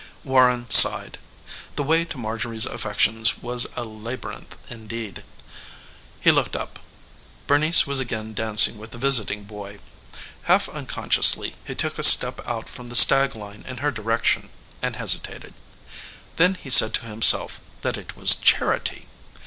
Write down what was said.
Warren sighed. The way to Marjorie's affections was a labyrinth indeed. He looked up. Bernice was again dancing with the visiting boy. Half unconsciously he took a step out from the stag line in her direction, and hesitated. Then he said to himself that it was charity.